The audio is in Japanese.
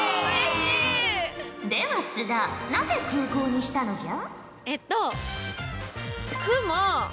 では須田なぜ「くうこう」にしたのじゃ？